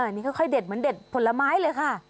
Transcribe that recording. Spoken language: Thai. นี่ค่อยเด็ดเหมือนเด็ดผลไม้เลยค่ะ